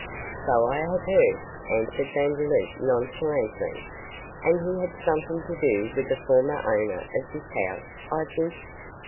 'So I have heard,' answered Vandeloup, nonchalantly, 'and he had something to do with a former owner of this house, I think.